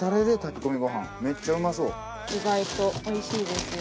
意外と美味しいですよ。